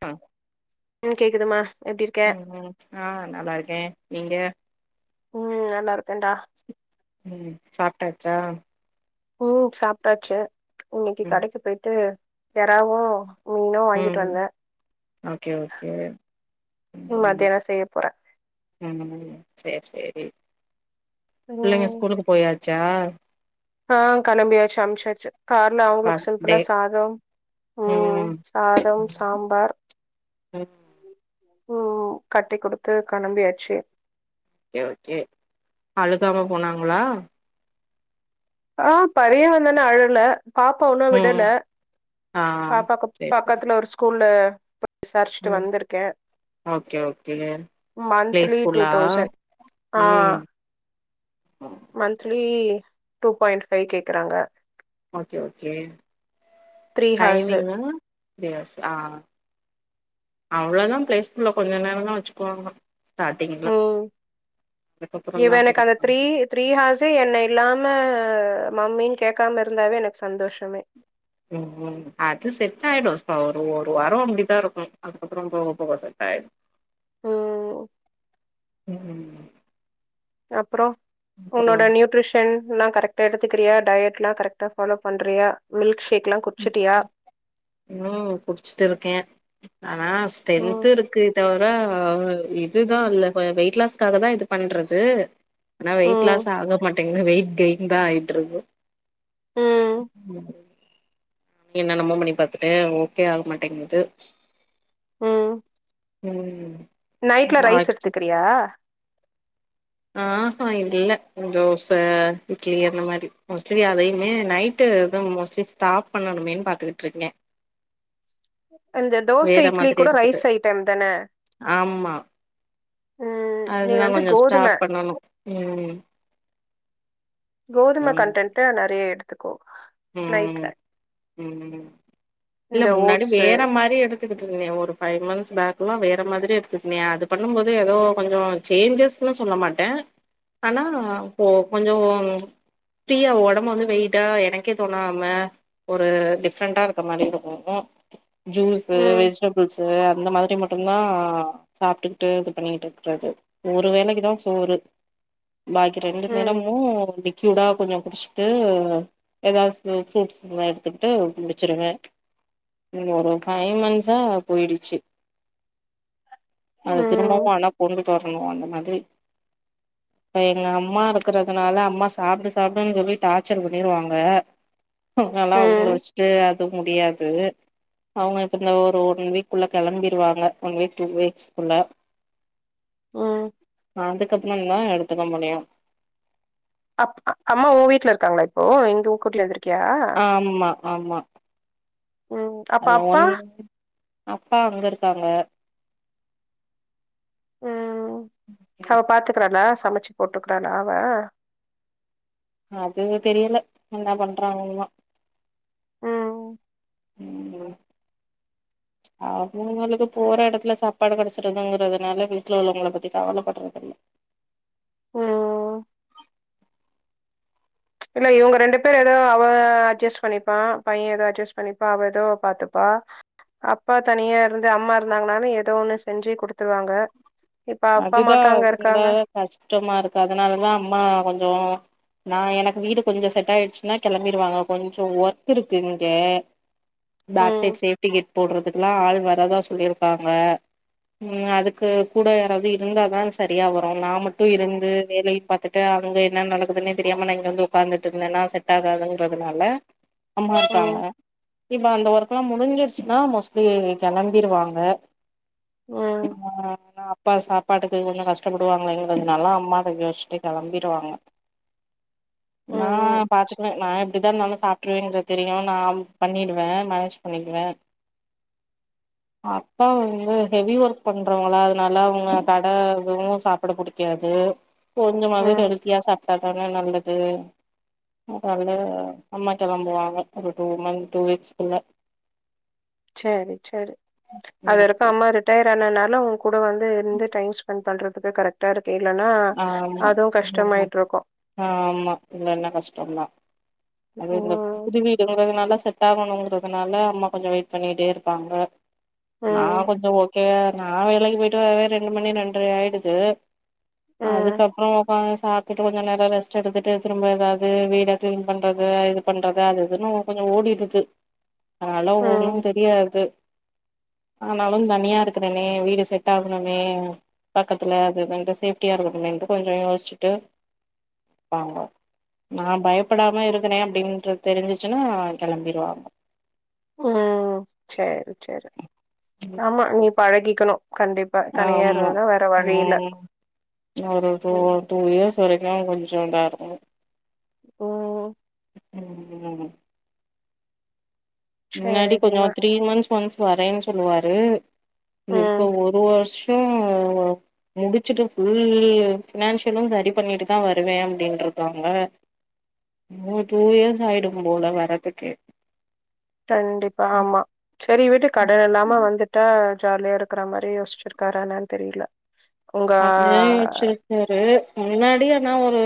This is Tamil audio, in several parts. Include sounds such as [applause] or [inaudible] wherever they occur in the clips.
அ ம் கேக்குதுமா எப்டிருக்க? ம் ம் ஆ நா நல்லாருக்கே நீங்க? ம் நல்லாருக்கன்டா. ம் சாப்டாச்சா? ம் சாப்டாச்சு இன்னிக்கி ம் கடைக்கு போயிட்டு எறாவு மீனு வாங்கிட்டு ம் வந்தே. ஓகே ஓகே ம் மத்தியானோ செய்ய போறே. ஒ அந்த மாதிரியா சேர் சேரி. பிள்ளைங்க ம் ஸ்கூலுக்கு போயாச்சா? ஆ கெளம்பியாச்சு அம்சாச்சு கார்ல அவுங்குளுக்கு ஃபஸ்ட் டே சிம்ப்ளா சாதோ ம் சாதம் சாம்பார் ம். ம் கட்டி குடுத்து களம்பியாச்சு. கே ஓகே அழுகாம போனாங்களா? ஆ பரிய வந்து ஒன்னு அழுவ்ல. பாப்பாவ் இன்னு விடல ம் ஆ பாப்பாக்கு சேரி சேரி பக்கத்ல ஒரு ஸ்கூல்ல விசாரிச்ட்டு ம் வந்திருக்கே okay okay play monthly two ஸ்கூலா தௌசண் ஆ ம் மன்த்லி டூ பாயிண்ட் ஃபை கேக்கறாங்க. Okay okay horse. டைமிங்லா ப்டியாஸ் ஆ அவ்ளதா பிளே ஸ்கூல்ல கொஞ்ச நேரந்தா வெச்சிக்குவாங்க. ஸ்டாடிங் எல்லா ம். அதுக்கப்புறல்லா கூட [inaudible] த்ரீ ஹார்ஸு என்ன இல்லாம மம்மின் கேக்காம இருந்தாவே எனக் சந்தோஷமே. ம் ம் [inaudible] அது செட் ஆய்டு சுமா ஒரு ஒரு வாரோ அப்டிதா இருக்கு அதுகப்புறோ போக போக செட்டாய்டு ம் ம் அப்றோ அப்புறோ உன்னோட நியூட்ரிஷ் ஷன்சுலா கரெக்ட்டா எடுத்துக்கிறியா டயட்லா கரெக்ட்டா ஃபாலோ பண்றியா மில்க்க்ஷேக்லா கன்னு குடிச்சுட் இருக்கே ஆனா ம். ஸ்ட்ரென்த் இருக்கே தவர இதுதா இல்ல ப வெய்ட்லாஸ்காகதா இது பண்றது ஆனா வெயிட் ம். லாஸ் ஆக மாட்டேங்து வெயிட் கெய்ன்தா ஆய்ட்ருக்கு ம். என்னென்னமோ பண்ணி பாத்துட்டே ஓகே ஆக மாட்டேங்குது ம் ம் நைட்ல ரைஸ் எடுத்துக்கிறியா ஆஹா இல்ல தோச இட்லி அந்த மாரி மோஸ்ட்லி அதையுமே நைட் டு அதும் மோஸ்ட்லி ஸ்டாப் பண்ணணுமேன் பாத்துகிட்ருக்கே இந்த தோசை, வேற இட்லி மாரி கூட எடுத்துட்டு ரைஸ் ஐட்டம் தான? ஆமா ம். நீ அதுதா வந்து கொஞ்சோ கோதும ஸ்டாப் பண்ணணு ம் கோதும ம் கன்டென்ட்டு நறைய எடுத்துக்கோ நைட்ல ம் ம் இல்ல இந்த முன்னாடி ஓட்ஸு வேற மாரி எடு த்துகிட்டு இருந்தே ஒரு ஃபை மந்த்ஸ் பேக்குலா வேற மாதிரி எடுத்துக்னே அது பண்ணுமோது எதோ கொஞ்சோ சேஞ்சஸ்னு சொல்ல மாட்ட ஆனா போ கொஞ்சோ ஃப்ரீயா ஒடம் வந்து வெயிட்டா எனக் கே தோணாம ஒரு டிஃப்ரெண்டா இருக்க மாரி இருக்கு ஜூஸு ம். வெஜ்டபிள்ஸு அந்த மாதிரி மட் டும்தா சாப்ட்டுக்கிட்டு இது பண்ணிகிட்ருக்றது ஒரு வேலைக்குதா சோறு பாக்கி ரெண்டு ம். நேரமு லிக்யூடா கொஞ்சோ குடிஸ்டு எதாது ஃப்ரூட்ஸ் இர்ந்தா எடுத்துக்கிட்டு முடிச்சிருவ இந்த ஒரு ஃபை மன்ஸா போய்டுச்சு அத திரும் பவு ம். ஆனா கொண்டுட்டு வர்ணு அந்த மாதிரி இப்ப எங்க அம்மா இருக்கறதுனால அம்மா சாப்டு சாப்டுன் சொல்லி டார்ச்சர் பண்ணிருவாங் க அதுனால ம். அவுங்கள வஸ்ட்டு அது முடியாது அவ்ங்க இப்ப இந்த ஒரு ஒன் வீக்குள்ள கெளம்பிருவாங்க ஒன் வீக் டூ வீக்ஸ்குள்ள ம் அதுக்கப்புறந்தா எடுத்துக்க முடியு அப் அம்மா ஊன் வீட்ல இருக்காங்ளா இப்போ இங்க கூட்டிட்டு வந்துர்க்யா ஆமா ஆமா ம் அப்ப அதுவா அப்பா ஒண்ணே அப்பா அங்க இருக்காங்க அவன் பாத்துக்கிறானா சமச்சு போட்டுக்றானா அவன் அது தெரியல என்ன பண்றாங்கன்லா ம் இவுங்ளு [unintelligible] அவுங்குளுக்கு போற எடத்துல சாப்பாடு கெடைச்சிடுதுங்கறதுனால வீட்ல உள்ளவங்கள பத்தி கவலப்பட்றதில்ல ம் இல்ல இவ்ங்க ரெண்டு பேர் எதோ அவ அட்ஜஸ் பண்ணிப்பான் பையன் எதோ அட்ஜஸ் பண்ணிப்பான் அவ எதோ பாத்துப்பா அப்பா தனியா இருந்து அம்மா இருந்தாங்கனாலு எதோ ஒன்னு செஞ்சு குடுத்துருவாங்க இப்ப அப்பா அதுதா மட்டு அங்க இருந்தா இருக்காங்க கஷ்டமா இருக்கு அதனாலதா அம்மா கொஞ்சோ நா எனக்கு வீடு கொஞ்சம் செட் ஆயிடுச்சுன்னா கெளம்பிருவாங்க கொஞ்சோ ஒர்க் இருக்கு இங்க பேக் ம் சைட் சேஃப்டி கேட் போடுறதுக்குல்லா ஆள் வராதா சொல்லியிருக்காங்க அதுக்கு கூட யாரது இருந்தாதா சரியா வரு நா மட்டும் இருந்து வேலைய பாத்துட்டு அங்க என்ன நடக்குதுன்னே தெரியாம நா இங்க வந்து உக்காந்துட்டு இருந்தேன்னா செட் ஆகாதுன்றதுனால அம்மா இருக்காங்க ம் இப்ப அந்த ஒர்க் ல்லா முடிஞ்சுறுச்சுன்னா மோஸ்ட்லி கெளம்பிருவாங்க ம் அப்பா சாப்பாட்டுக்கு கொஞ்சோ கஷ்டப்படுவாங்களேங்கறதுனால அம்மா யோசிச்சட்டே கெளம்பிருவாங்க நா ம் பாத்துக்குவே நா எப்டிதா இருந்தாலும் சாப் ருவேங்கிறது தெரியும் நா பண்ணிடுவே மேனேஜ் பண்ணிக்குவே அப்பா வந்து ஹெவி ஒர்க் பண்றவங்களா அதனால அவங்க கட எதுவு சாப்பிட புடிக்காது கொஞ்சமாவது ம் ஹெலத்தியா சாப்பிட்டாதான நல்லது அதால அம்மா கெளம்புவாங்க ஒரு டூ மந்த் டூ வீக்ஸ் குள்ள சரி சரி அது ம் வரைக்கும் அம்மா ரிட்டையர் ஆனதுனால உங்க கூட வந்து இருந்து டைம் ஸ் பண் பண்றதுக்கு கரெக்ட்டா இருக்கு இல்லன்னா ஆமா அதுவு ம் கஷ்டமாயிட்டு இருக்கும் ஆமா இல்லன்னா கஷ்டம் தான் அது இந்த ம் புதுவீடு தொடங்குன்னால செட் ட்டாகணுங்கறதுனால அம்மா கொஞ்சோ வெயிட் பண்ணிட்டே இருப்பாங்க நா ம் கொஞ்சோ ஓ கே நா வேலைக்கு போயிட்டு வரவே ரெண்டு மணி ரெண்டரை ஆயிடுது ம் அதுக்கப்பறோ ஒக்காந்து சாப்ட்டுட்டு கொஞ்ச நேரம் ரெஸ்ட் எடுத்துட்டு திரும்ப ஏதாவது வீட கிளீன் பண்றது இது பண்றத அது இதுன்னு கொஞ்சோ ஓடிடுது ஆள ம் ஒன்னும் தெரியாது ஆனாலும் தனியா இருக்கறனே வீடு செட் ஆகுணுமே பக்கத்துல அது இதுன்னு சேப் ட்டியா இருக்கனுமேன்ட்டு கொஞ்சோ யோசிச்சுட்டு வாங்க நா பயப்படாம இருக்கிறே அப்படின்ற தெரிஞ்சிச்சுன்னா கெளம்பிருவாங்க ம் சரி சரி ஆமா நீ பழகிக்கணு கண்டிப் ஆமா தனியார்னா வேற வழியில ம் ஒரு டூ ம் டூ இயர்ஸ் வரைக்குன்னாலு கொஞ்சோ இதா இருக்கணு ஓ ம் ம் முன்னாடி கொஞ்சோ சரிம்மா த்ரீ மந்த்ஸ் ஒன்ஸ் வரேன்னு சொல்லுவாரு ம் இப்போ ஒரு வருஷ் உ முடிச்சுட்டு ஃபுல் பினான்சியலும் சரி பண்ணிட்டு தா வருவே அப்படின்றக்காங்க டூ இயர்ஸ் ஆயிடும் போல வரதுக்கே கண்டிப்பா ஆமா சரி வீட்டு கடன் இல்லாம வந்துட்டா ஆ ஜாலியா இருக்கிற மாரி யோசிச்சிருக்காரா என்னனு தெரியல உங்க சரி முன்னாடி ஆனா ஒரு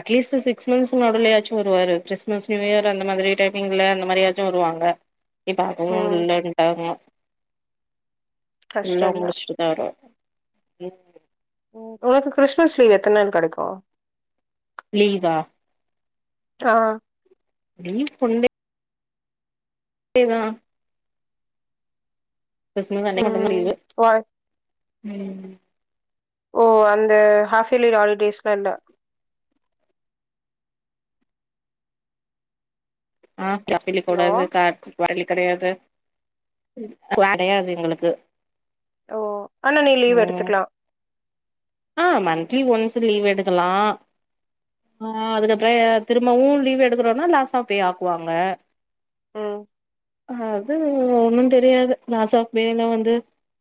அட்லீஸ்ட் சிக் மந்த்ஸ் நடுலயாச்சும் வருவாரு கிறிஸ்மஸ் நியூயரு அந்த மாதிரி டைம்மிங்ல அந்த மாரி வருவாங்க இப்ப அதுவு ம் இல்லண்டாங்க எல்லாம் கஷ்டந்தா முடிச்சுட்டுதா வருவாரு ம் ஒனக்கு கிறிஸ்மஸ் லீவ் எத்தன் நாள் கடைக்கும் லீவா கா நீ [unintelligible] எதா கிறிஸ்மஸ் அன்னைக்கு மட்டுதா லீவு ஓய் ம் ஓ அந்த ஹாஃப் இயர்லி ஹாலிடேஸ் வேண்டா ஆ [unintelligible] ஹலோ கூடாது [unintelligible] கெடையாது கெடையாது எங்களுக்கு ஓ ஆனா நீ லீவு ம் எடுத்துக்கலா ஆ மந்த்லி ஒன்ஸ்சு லீவு எடுக்கலா ஆ அதுக்கப்ற திரும்பவு லீவு எடுக்கறோனா லாஸ் ஆஃப் பே ஆக்குவாங்க ம் அது ஒன்னு தெரியாது லாஸ் ஆஃப் பேனா வந்து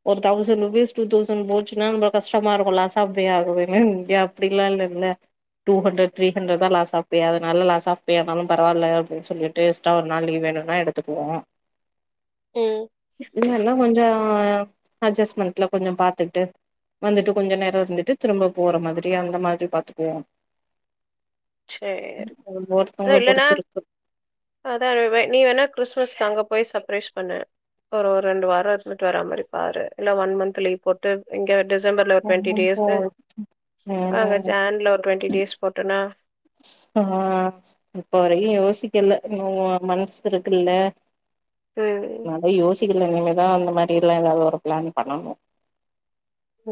ஒரு தௌசண்ட் ருபீஸ் டூ தௌசண்ட் போச்சுன்னா நம்ப கஷ்டமா இருக்கு லாஸ் ஆஃப் பே ஆகுதுன்னு இங்க அப்புடில்லா இல்லல்ல டூ ஹண்ட்ரட் த்ரீ ஹண்ரேட்தா லாஸ் ஆஃப் பே அதனால லாஸ் ஆஃப் பேயன்னாலு பரவால அப்டினு சொல்லிட்டு ட்ட ஒரு நாள் லீவ் வேணுனா எடுத்துக்குவோ ம் என்னன்ன கொஞ்சோ அஜஸ்மெண்ட்ல கொஞ்சோ பாத்துட்டு வந்துட்டு கொஞ்ச நேர வந்துட்டு திரும்ப போற மாதிரி அந்த மாரி பாத்துக்குவோ சேரி அதா ஒவ்வொருத்தங்கள இல்லன்னா பொறுத்து இருக்கு அதா வே நீ வேணா கிறிஸ்மஸ்கு அங்க போய் சப்ரைஸ் பண்ணு ஒரு ஒரு ரெண்டு வாரோ இருன்ட்டு வர மா பாரு இல்ல ஒன் மந்த் லீவ் போட்டு இங்க டிசம்பர்ல ஒரு டூவெண்ட ம் டேஸு அங்க ஜேன்ல ஒரு டூவெண்ட டேஸ் போட்டேனா ஆ இப்ப வரையு யோசிக்கல இன்னு மன்ஸ் இருக்குல்ல ம் நாந்தா யோசிக்கல இனிமேதா அந்த மாரி எல்லா ஏதாவது ஒரு பிளான் பண்ணணு ஓ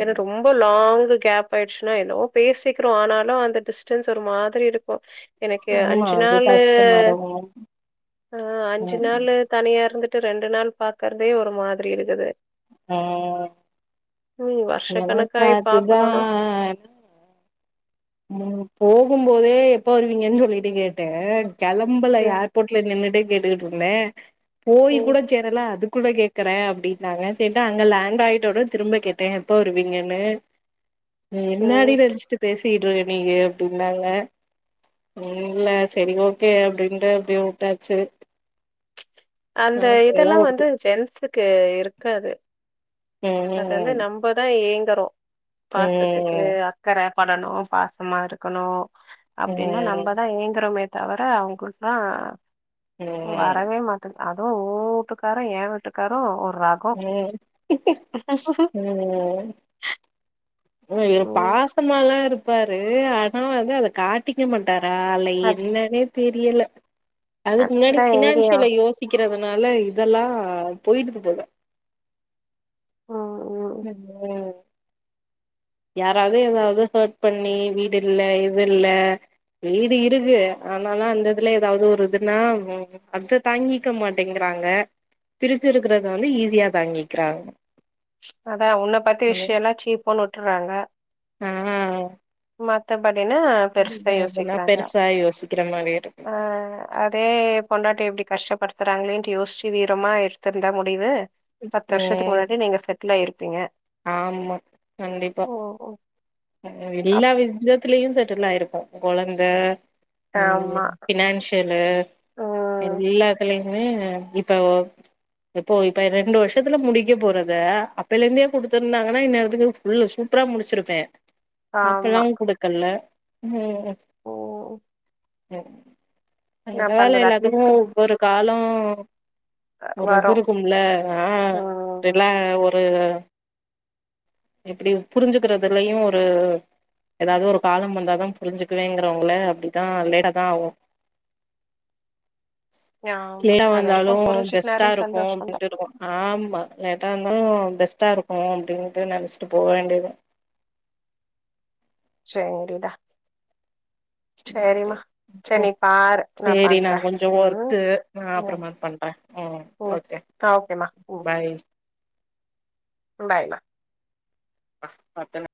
என்ன ரொம் ரொம்ப லாங் கேப் ஆயிடுச்சுன்னா என்னவோ பேசிக்கிறோ ஆனாலு அந்த டிஸ்டன்ஸ் ஒரு மாதிரி இருக்கு எனக்கே ஆமா அஞ்சு அது நாளூ கஷ்டமா இருக்கும் ஆ அஞ்சு ம் நாளூ தனியா இருந்துட்டு ரெண்டு நாள் பாக்கறதே ஒரு மாதிரி இருக்குது ம் ம் எனக்கு வருஷக்கணக்காயி அதுதா பாக்கணும்னா ம் போகும் போதே எப்ப வருவீங்கன்னு சொல்லிட்டு கேட்டே கெளம்பல ம், யா போட்ல நின்னுட்டே கேட்டுக்கிட்டு இருந்தே போய் ம், கூடச் சேரல அது கூட கே க்கிற அப்டின்னாங்க சேரின்ட்டு அங்க லேண்டு ஆயிட்டோனு திரும்ப கேட்டே எப்ப வருவீங்கன்னு நீ என்னாடி ம். நெனச்சிட்டு பேசிட்டுருக நீயி அப்டின்னாங்க ம் இல்ல சரி ஓகே அப்டின்ட்டு அப்டியே வுட்டாச்சு அந்த ஏதோ இதெல்லா ஒரு வந்து ஜென்ஸுக்கு இருக்காது அது வந்து ம் நம் இப்பதா ஏங்கறோ பாசத்துக் க்கு ம் அக்கற படணு பாசமா இருக்கணு அப்டின்னு ம் நம்பதா ஏங்கறோமே தவர அவுங்குளுக்ல்லா ம் வரவே மாட் அது ஊ ஊட்டுக்காரு ஏ வீட்டுக்காரு ஒரு ர ம் ம் ம் இரு பாசமாலா இருப்பாரு ஆனா வந்து அத கா ட்டிக்க மாட்டாரா இல்ல அது என்னான்னே தெரியல அதுக்கு முன்னாடி அதுதான் எங்கேயும் ஃபினான்சியல யோஸ் டிக்கிறதுனால இதெல்லா போய்டுது போல ம் ம் ம் யாராவது எதாவது ஹேட் பண்ணி வீடு இல்ல இது இல்ல வீடு இருக்கு ஆனாலா அந்த இதுல ஏதாவது ஒரு இதுன்னா அத்த தாங்கிக்க மாட்டேங்றாங்க பிரிஞ்சி இருக்கறத வந்து ஈஸியா தாங்கிக்கிறா அவ அதா உன்ன பத்தி விஷ்யல்லா சீப்போன்னு வுட்டறாங்க ஆ மத்தபடினா பெருசா இதுனா யோசிக்கிறாங்க பெருசா யோசிக்கிற மாரி இருக்கு ஆ அதே பொண்டாட்டிய இப்டி கஷ்டப்படுத்துறாங்களேன்ட்டு யோசிச்சி வீரமா எடுத்திருந்தா முடிவு பத்து வருஷத்துக்கு ம் முன்னாடி நீங்க செட்டிலாயிருப்பீங்க ஆமா கண்டிப்பா ம் எல்லா அப் விதத்திலியு செட்டில் ஆயிருப்போ கொழந்த ம் ஆமா பினான்சியலு ம் எல்லாத்தலயுமே இப்போ இப்போ இப்ப ரெண்டு வருஷத்துல முடிக்க போறத அப்பய்லந்தே குடுத்துருந்தாங்கனா இந்நேரத்துக்கு இல்ல சூப்ரா முடிச்சிருப்பே அப்பெல்லா ஆமா குடுக்கல ம் ஓ சேரி ஒரு வேல பண்றது எல்லாத்துக்கு அட்லீஸ்ட் ஒரு காலோ ஒரு இது வரு இருக்கும்ல ஆ ம் ரில ஒர் டிரெயின் வரு எப்டி புரிஞ்சுக்கிறதுலயு ஒரு அதாவது ஒரு காலம் வந்தாதா புரிஞ்சுக்குவேங்கறவங்கள அப்டிதா லேட்டா தா ஆவு ஆமா கிளியரா அது வரைக்கு வந்தாலு புரிஞ்சுக்குனாரு பெஸ்ட்டா இருக்கு சந்தோஷந்தா அப்டின்ட்டு இருக்கு ஆமா எதா இந்தாலு பெஸ்ட்டா இருக்கு அப்டின்ட்டு நெனச்ட்டு போ வேண்டிதா சேரிடா சேரி சேரிம்மா போ சேரி நீ பாரு சேரி நா பண்றே கொஞ்ச ம் ஒர்க்கு நா அப்பறமா பண்ற ம் ஓகே ஆ ஓகேமா ம் பாய் பாய் மா ஆ மட்டனு